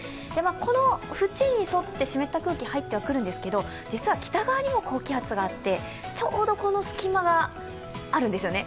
この縁に沿って湿った空気入ってはくるんですが実は北側にも高気圧があってちょうどこの隙間があるんですよね。